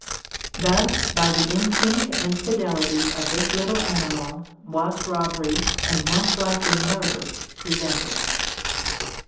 Thus, by the instinct and fidelity of this little animal, was robbery, and most likely murder, prevented.